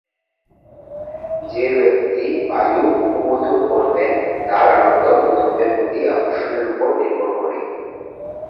যে ব্যক্তি পায়ু-মুখমৈথুন করবেন তার আনন্দ নিতম্বের প্রতি আকর্ষণের উপর নির্ভর করে।